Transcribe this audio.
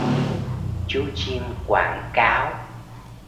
Chú chim"quảng cáo"